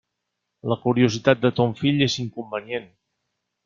La curiositat de ton fill és inconvenient.